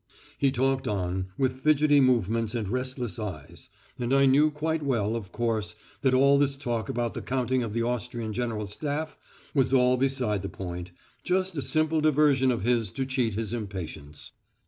He talked on, with fidgety movements and restless eyes, and I knew quite well, of course, that all this talk about the counting of the Austrian General Staff was all beside the point, just a simple diversion of his to cheat his impatience.